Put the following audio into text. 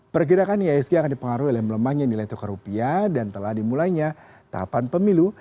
pergerakan ihsg akan dipengaruhi oleh melemahnya nilai tukar rupiah dan telah dimulainya tahapan pemilu